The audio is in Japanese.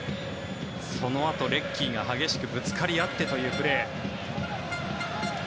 そのあとレッキーが激しくぶつかり合ってというプレー。